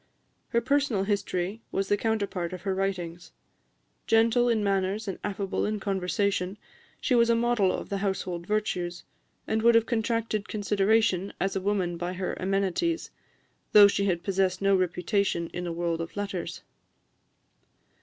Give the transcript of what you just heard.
Her personal history was the counterpart of her writings. Gentle in manners and affable in conversation, she was a model of the household virtues, and would have attracted consideration as a woman by her amenities, though she had possessed no reputation in the world of letters.